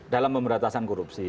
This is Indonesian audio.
dalam pemberantasan korupsi